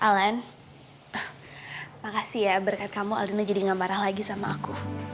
alan makasih ya berkat kamu allena jadi gak marah lagi sama aku